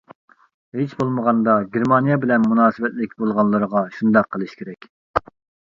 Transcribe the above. ھېچبولمىغاندا گېرمانىيە بىلەن مۇناسىۋەتلىك بولغانلىرىغا شۇنداق قىلىش كېرەك.